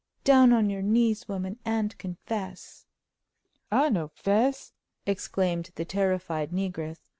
Down on your knees, woman, and confess!" "I no 'fess!" exclaimed the terrified negress.